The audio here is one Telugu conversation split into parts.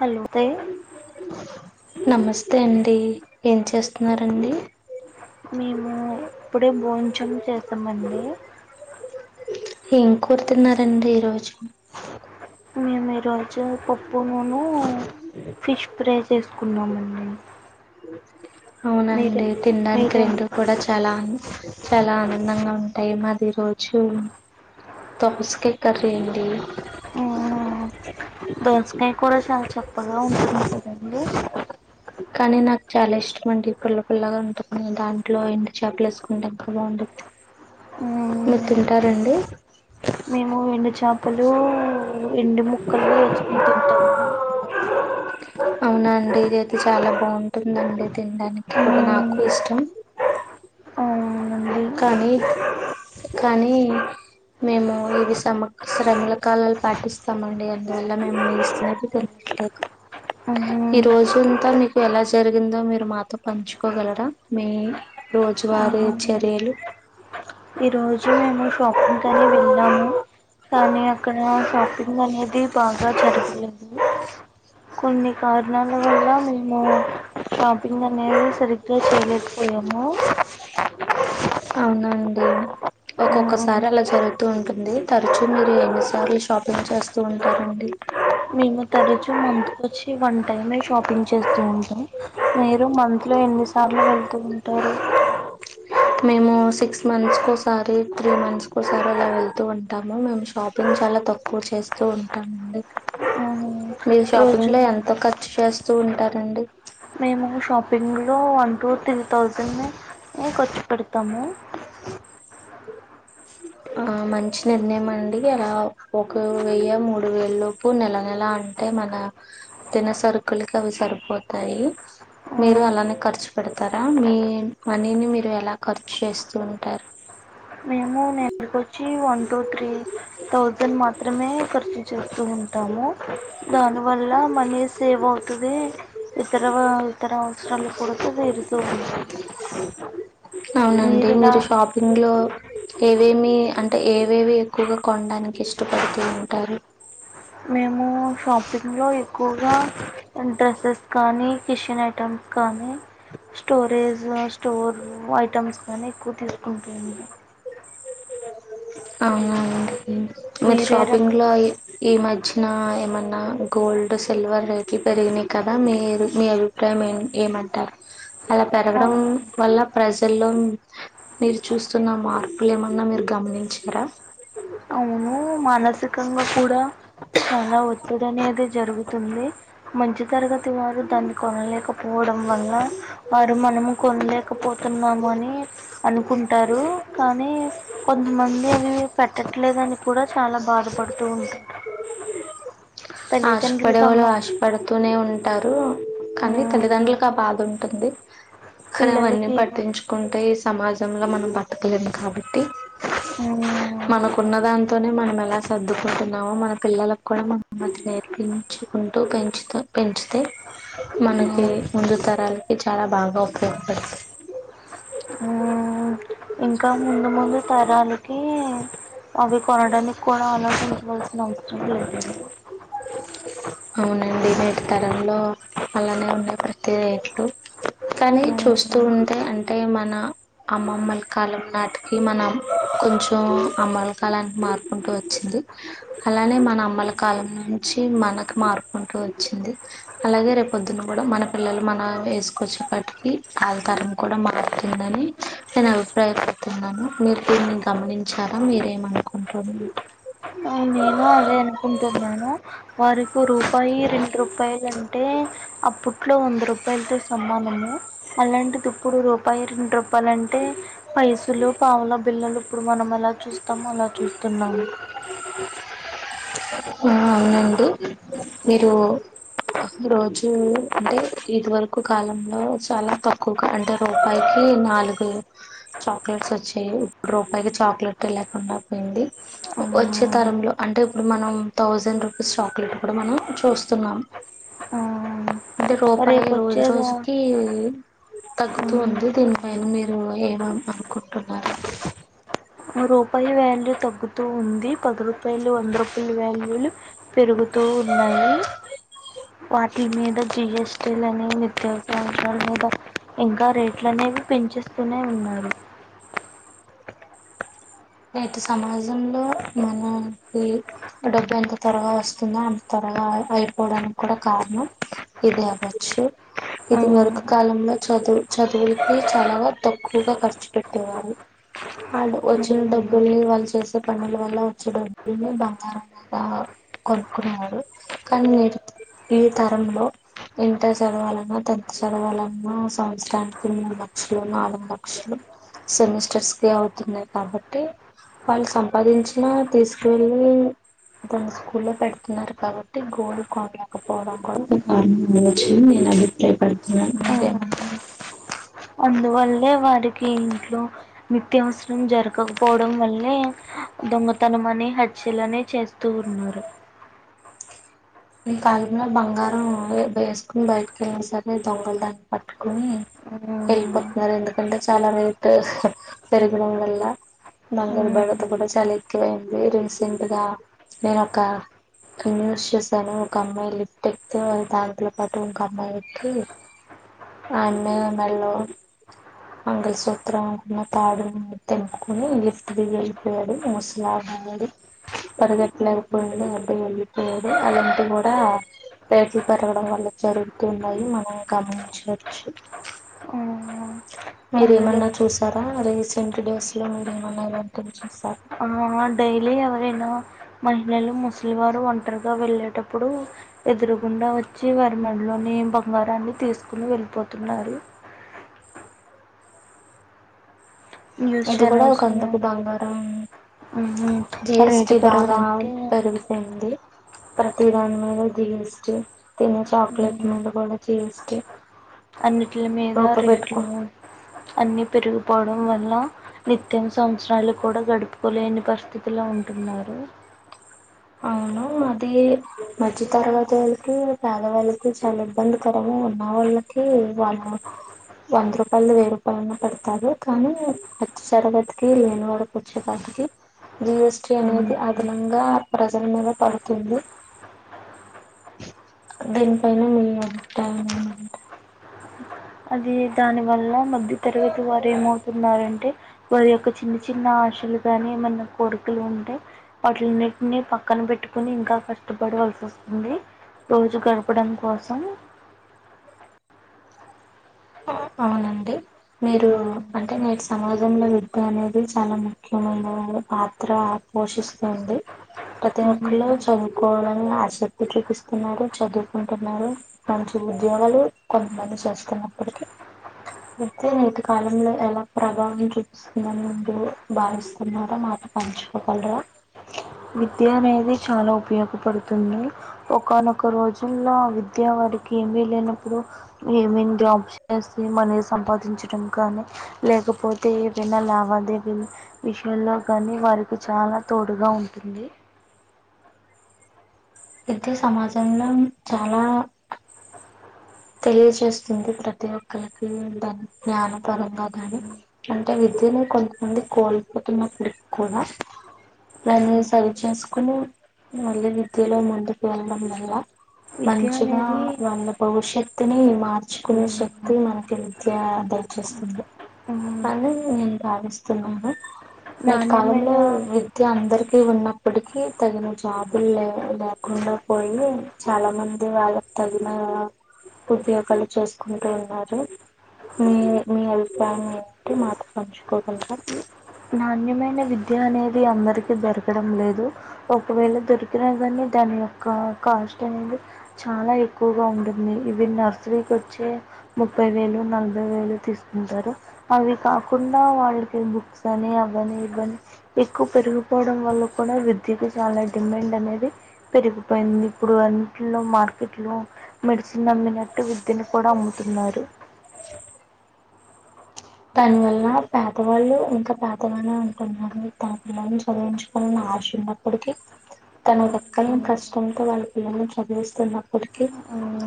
హలో తె నమస్తే అండి ఏం చేస్తున్నారండి మేము ఇప్పుడే భోంచం చేసామండి ఏం కూర తిన్నారండి ఈరోజు మేము ఈరోజు పప్పు నూను ఫిష్ ఫ్రై చేసుకున్నామండి అవునండి మీరేం తినడానికి మీరేం రెండు కూడా చాలా చాలా ఆనందంగా ఉంటాయి మాది ఈ రోజు దోసకాయ కర్రీ అండి ఆ దేన్స్ ఏం కూర చాచ గొప్పగా ఉంటుంది కదండీ కానీ నాకు చాలా ఇష్టం అండి పుల్ల పుల్లగా ఉంటుని దాంట్లో ఎండు చాపలు ఏసుకుంటే ఇంకా బాగుంది మీరు మ్మ్ తింటారండి ఎండు చాపలు ఎండు ముక్కలు ఎసుకొని తింటాము అవునా అండి ఇది అయితే చాలా బాగుంటుందండి తినడానికి కూడా నాకు మ్మ్ ఇష్టం అవునండి కానీ కానీ మేము ఇవి సమక్క సారలమ్మ కాలాలు పాటిస్తామండి అందువల్ల మేము నిలుస్తునట్లు తెలిదు మ్మ్ ఈ రోజుంతా మీకు ఎలా జరిగిందో మీరు మాతో పంచుకోగలరా మీ రోజువారి మ్మ్ ఏలు ఈ రోజు మేము షాపింగ్ కని వెళ్ళాము కానీ అక్కడ షాపింగ్ అనేది బాగా జరగలేదు కొన్ని కారణాల వల్ల మేము షాపింగ్ అనేది సరిగ్గా చేయలేకపోయాము అవునండి ఒక్కొక్కసారి అలా జరుగుతూ ఉంటుంది తరచూ మీరు ఎన్నిసార్లు షాపింగ్ చేస్తూ ఉంటారండి మేము తరచు మంత్కి వచ్చి వన్ టైమే షాపింగ్ చేస్తూ ఉంటాం మీరు మంత్ లో ఎన్నిసార్లు వెళ్తూ ఉంటారు మేము సిక్స్ మంత్స్కోసారి త్రీ మంత్స్కోసారి అలా వెళ్తూ ఉంటాము మేము షాపింగ్ చాలా తక్కువ చేస్తూ ఉంటామండి మీరు రోజు షాపింగ్ లో ఎంత ఖర్చు చేస్త వస్తుూ ఉంటారండి మేము షాపింగ్ లో వన్ టూ త్రీ థౌజండ్ ఏ ఖర్చు పెడతాము ఆ మంచి నిర్ణయం అండి అలా ఒక వెయ్య మూడు వేల లోపు నెల నెల అంటే మన తినే సరుకులకి అవి సరిపోతాయి మీరు అలానే ఖర్చు పెడతారా మీ మనీని మీరు ఎలా ఖర్చు చేస్తూ ఉంటారు మేము [unintelligible] నెలకు వచ్చి వన్ ూ త్రీ ౌజండ్ మాత్రమే ఖర్చు చేస్తూ ఉంటాము దాని వల్ల మనీ సేవ్ అవుతుంది ఇతర ఇతర అవసరాలు కూడారుతూ ఉంటాయి అవునండి మీరు ఎలా షాపింగ్లో [unintelligible] ఏవేమి అంటే ఏవేవి ఎక్కువగా కొనడానికి ఇష్టపడుతూ ఉంటారు మే మేము షాపింగ్ లో ఎక్కువగా డ్రెస్సెస్ కానీ కిచెన్ ఐటమ్స్ కానీ స్టోరేజ్ స్టోర్ ఐటమ్స్ కానీ ఎక్కువ తీసుకుంటూ ఉంటాం అవును అండి మీరు ఏ రకం షాపింగ్ లో ఈ మధ్యన ఏమన్న గోల్డ్ సిల్వర్ రేట్లు పెరిగినాయి కదా మీ మీ అభిప్రాయం ఏ ఏమంటారు అలా పెరగడం వల్ల ప్రజల్లో మీరు చూస్తున్న మార్పులు ఏమన్న ఉన్నా మీరు గమనించారా మానసికంగా కూడా చాలా ఒత్తి ఒత్తిడి అనేది జరుగుతుంది మధ్య తరగతి వారు దాన్ని కొనలేకపోవడం వల్ల వారు మనము కొనలేకపోతున్నాము అని అనుకుంటారు కానీ కొంతమంది అవి పెట్టట్లేదని కూడా చాలా బాధపడుతూ ఉంటారు తల్లిదండ్రులు ఆశపడే వాళ్ళు తమ ఆశపడుతూనే ఉంటారు కాని మ్ తల్లిదండ్రులకు ఆ బాధ ఉం ఉంటుంది కానీ అవన్నీ పిల్లలకి ఏమైనా పట్టించుకుంటే ఈ సమాజం సమాజం లో మనం బతక లేము కాబట్టి మ్ మనకున్న దాంట్లో నే మనం ఎలా సర్దుకుంటున్నామో మన పిల్లలకు కూడా మనం అనుమతి నేర్పించుకుంటు పెంచుతు పెంచితే మనకి మ్ ముందు తరాలకి చాలా బాగా ఉపయోగపడుతుంది మ్మ్ ఇంకా ముందు ముందు తరాలకి అవి కొనడానికి కూడా ఆలోచించుకోవాల్సిన అవసరం లేదు ఏమో. అవునండి నేటి తరంలో అలానే ఉన్నాయి. ప్రతి రేట్లు కానీ చూస్తూ మ్మ్ ఉంటే అంటే మన అమ్మమ్మల కాలం నాటికి మనం కొంచెం, అమ్మల కాలానికి మారుకుంటూ వచ్చింది అలానే మన అమ్మల కాలం. నుంచి మనకు మారుకుంటూ వచ్చింది. అలాగే రేపొద్దున్న కూడా మన పిల్లలు మన ఏజ్ వచ్చేటప్పటికి వాళ్ళ తరం కూడా మారుతుందని నేను అభిప్రాయపడుతున్నాను. మీరు దీన్ని గమనించారా మీరేమనుకుంటు నేను అదే అనుకుంటున్నాను. వారికి రూపాయి రెండు రూపాయలు అంటే అప్పుడు ట్లో వంద రూప రూపాయలతో సమానము అలాంటిది ఇప్పుడూ రూప రూపాయి, రెండు రూపాయలు అంటే, పైసులు పావుల బిల్లలు ఇప్పుడు మనం ఎలా చూస్తామో అలా చూస్తున్నాము. ఆ అవునండి మీరు రోజు అంటే ఇది వరకు కాలంలో చాలా తక్కువగా అంటే రూపాయికి నాలుగు చాక్లెట్స్ వచ్చాయి. ఇప్పుడు రూపాయికి చాక్లెట్ ట్ట లేకుండా పోయింది వచ్చే మ్మ్ తరంలో అంటే ఇప్పుడు మనం తౌసండ్ రూపీస్ చాక్లెట్ కూడా మనం చూస్తున్నాం. మ్మ్ అంటే రూపాయి రేపు రోజు వచ్చేదా రోజుకి తగ్గుతూ ఉంది. మ్మ్ దీనిపైన మీరు ఏ మణి అనుకుంటున్నారు. రూపాయి వ్యాల్యూ తగ్గుతూ ఉంది. పది రూపాయలు, వంద రూపాయలు వ్యాల్యూలు పెరుగుతూ ఉన్నాయి. వాటిల మీద జీఎస్టీ లు అని నిత్య అవసరాలు మీద ఇంకా రేట్ల అనేవి పెంచేస్తూ పున్నయ్య ఉన్నాడు. నేటి సమాజంలో మనకి డబ్బు ఎంత త్వరగా వస్తుందో అంత త్వరగా అయిపోవడానికి కూడా కారణం ఇది అవ్వచ్చు. ఇదివరకు కాలంలో చదువు చదువులకి చాలాగా తక్కువగా ఖర్చు పెట్టేవారు వాళు వచ్చ వచ్చ డబ్బుల్ని వాళ్ళు చేసే పనుల వల్ల వచ్చే డబ్బుల్ని బంగారం మీద కొనుక్కునేవారు. కానీ ఈ తరంలో ఇంటర్ చదవాలన్నా, టెన్త్ చదవాలన్నా సంవత్సరానికి మూడు లక్షలు, నాలుగు లక్షలు సెమిస్టర్స్ కి అవుతున్నాయి కాబట్టి వాళ్ళు సంపాదించిన తీసుకువెళ్ళి దాన్ని స్కూల్లో పెడుతున్నారు. కాబట్టి గోల్డ్ కొనలేకపోవడం కూడా నేను అభిప్రాయపడు ఉ అే [unintelligible] అందువల్లే వారికి ఇంట్లో నిత్యావసరం జరగకపోవడం వల్లే దొంగతనం అని, హత్యలనే చేస్తూ ఉన్నారు. ఈ కాలంలో బంగారం వేసుకుని బయటకి వెళ్ళిన సరే దొంగలు దాన్ని పట్టుకుని వెళ్ళిపోతున్నారు. ఎందుకంటే చాలా రేట్ పెరగడం వల్ల బంగారు బెడద కూడా చాలా ఎక్కువయింది. రీసెంట్గా నేను ఒక న్యూస్ చే ను ఒక అమ్మాయి లిఫ్ట్ ఎక్తే దాంట్లో పాటు ఇంక అబ్బాయి ఎక్కి, ఆ అమ్మాయి మెళ్ళో మంగలి సూత్రం అన్న తాడు తెంపుకుని లిఫ్ట్ దిగి వెళ్ళిపోయాడు మోసలాగాయాడు పరిగెట్టలేకపోయింది అబ్బయి వెళ్ళిపోయాడు. అలాంటివి కూడా రేట్లు పెరగడం వల్ల జరుగుతున్నాయి మనం గమనించవచ్చు. అందులో మీరేమన్నా చూసారా రే రీసెంట్ డేస్ లో మీరు ఏమన్నా ఇలాంటివి చూసారా డైలీ ఎవరైనా మహిళలు, ముసలి వారు ఒంటరిగా వెళ్ళేటప్పుడు ఎదురుగుండా వచ్చి వారి మెడలోని బంగారాన్ని తీసుకుని వెళ్ళిపోతున్నారు. న్యూస్ ఇది కూడా ఛానల్స్ ఒకందకు బంగారం రేటు జిఎస్టి బాగా పెరగడానికి పెరుగుపోయింది. ప్రతి దాని మీద జీఎస్టి తిన్న చాక్లెట్ మీద కూడా జీఎస్టి అన్నిట్లి మీద రేట్లు అన్ని పెరిగిపోవడం వల్ల నిత్యం సంవత్సరాలు కూడా గడుపుకోలేని పరిస్థితుల్లో ఉంటున్నారు. అవును అది మధ్య తరగతి వాళ్ళకి, పేదవాళ్ళకి చాలా ఇబ్బందికరము. ఉన్న వాళ్ళకి వాళ్ళు వంద రూపాయలు, వెయ్యి రూపాయలులను పెడతారు. కానీ మధ్య తరగతికి, లేనివాళ్ళకి వచ్చే వాటికి జిఎస్టి అనేది ఉమ్, అదనంగా ప్రజల మీద పడుతుంది. దీనిపైన మేము ఉంటామఅంట అది దాని వల్ల మ్య ఇ తరగతి వారు ఏమవుతున్నారంటే వారి యొక్క చిన్న చిన్న ఆశలు గాని ఏమైన్నా కోరికలు ఉంటే వాటిలన్నిటిని పక్కన పెట్టుకుని ఇంకా కష్టపడవలసి వస్తుంది. రోజు గడపడం కోసం అవునండి మీరు అంటే నేటి సమాజంలో విద్య అనేది చాలా ముఖ్యమైన పాత్ర పోషిస్తుంది. ప్రతి ఒక్కలో చదువుకోవాలని ఆసక్తి చూపిస్తున్నారు. చదువుకుంటున్నారు మంచి ఉద్యోగాలు కొంతమంది చేస్తున్నారు. ఇటిక అయితే నేటి కాలంలో ఎలా ప్రభావం చూపిస్తుందని మీరు భావిస్తున్నారా మాతో పంచుకోగలరా. విద్య అనేది చాలా ఉపయోగపడుతుంది, ఒకానొక రోజుల్లో విద్య వారికి ఏమీ లేనప్పుడు ఏమేమి జాబ్స్ చేసి మనీ సంపాదించడం కానీ, లేకపోతే ఏమైనా లావాదేవీ విషయల్లో కానీ వారికి చాలా తోడుగా ఉం టుంది అయితే సమాజంలో చాలా తెలియజేస్తుంది, ప్రతి ఒక్కరికి దాని జ్ఞానపరంగా కాని అంటే విద్యను కొంతమంది కోల్పోతున్నప్పటికి కూడా, దాన్ని సరిచేసుకుని మళ్ళీ విద్యలో ముందుకు వెళ్ళడం వల్ల విద్య మంచిగా అనేది వంద భవిష్యత్ వక్తిని మార్చుకునే ఆ, శక్తి మనకి విద్య ఆ దర్ చేస్తుంది, అని నేను భావిస్తున్నాను నేటి కాలంలో నాణ్యమైన విద్య అందరికీ ఉన్న ఇప్పటికి తగిన జాబులు లే లేకుండా పోయి చాలా మంది వాళ్ళకు తగిన ఉద్యోగాలు చేసుకుంటూ ఉన్నారు మీ మీ అభిప్రాయం ఏంటి మాతో పంచుకోగలరా నాణ్యమైన విద్య అనేది అందరికీ దొరకడం లేదు, ఒకవేళ దొరికినా కానీ దాని యొక్క కాస్ట్ అనేది చాలా ఎక్కువగా ఉంటుంది, ఇవి నర్సరీకి వచ్చే ముప్పై వేలు నలభై వేలు తీసుకుంటారు అవి కాకుండా వాళ్ళకి బుక్స్ అని అవని ఇవని ఎక్కువ పెరిగిపోవడం వల్ల కూడా విద్యకి చాలా డిమాండ్ అనేది పెరిగిపోయింది, ఇప్పుడు అన్నిట్లో మార్కెట్ లో మెడిసిన్ అమ్మినట్టు విద్యని కూడా అమ్ముతున్నారు దాని వల్ల పేదవాళ్ళు ఇంకా పేదగానే ఉంటున్నారని, తన పిల్లల్ని చదివించుకోవాలని ఆశ ఉన్నప్పటికి, తన ఎక్కని కష్టంతో వాళ్ళ పిల్లల్ని చదివిస్తున్నప్పటికి,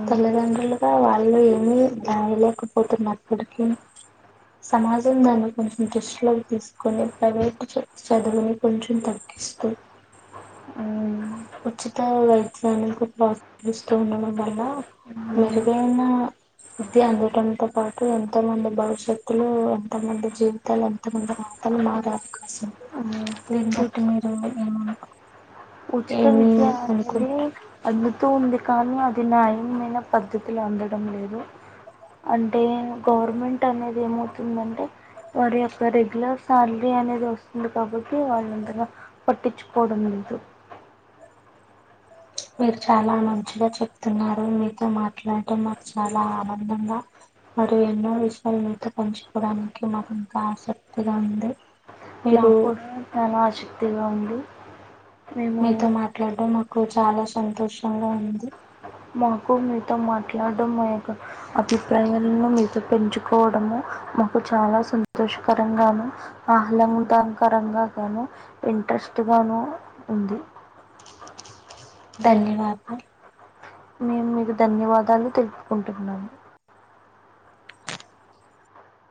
తల్లిదండ్రులుగా వాళ్ళు ఏమి దాయలేకపోతున్నప్పటికి సమాజం దాన్ని కొంచెం దృష్టిలోకి తీసుకొని ప్రైవేటు చదు చదువుని కొంచెం తగ్గిస్తూ ఉచిత వైద్యానికి ప్రోత్సహిస్తూ ఉండడం వల్ల, మెరుగైన విద్య అందటంతో పాటు, ఎంతో మంది భవిష్యత్తులో, ఎంతో మంది జీవితాలు, ఎంతో మంది రాతలు మారే అవకాశం ఉ దీన్ని బట్టి ఉచి మీరు ఏమన్ ఉచిత విద్యాలయదే అంద్ వతూ ఉంది కానీ, అది న్యాయమైన పద్ధతులు అందడం లేదు, అంటే గవర్నమెంట్ అనేది ఏమవుతుందంటే వారి యొక్క రెగ్యులర్ శాలరీ అనేది వస్తుంది, కాబట్టి వాళ్ళంతగా పట్టించుకోవడం లేదు మీరు చాలా మంచిగా చెప్తున్నారు మీతో మాట్లాడటం మాకు చాలా ఆనందంగా, మరి ఎన్నో విషయాలు మీతో పంచుకోడానికి మాకు ఇంకా ఆసక్తిగా ఉంది. మీరు మాక్కూడా చాలా ఆష్ త్తిగా ఉంది మేము మీతో మట్లాడ్డం మాకు పుడు చాలా సంతోషంగా ఉంది మాకు మీతొ మాట్లాడ్డం మా యొక్క అభిప్రాయాలను మీతొ పెంచుకోవడము మాకు చాలా సంతోషకరంగాను, ఆహ్లాంగాదకరంగాను, ఇంట్రెస్టుగాను ఉంది. ధన్యవాదము నేన్ మీకు ధన్యవాదాలు తెలుపుకుంటున్నాను